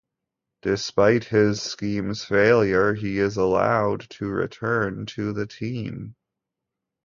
Despite his scheme's failure, he is allowed to return to the team.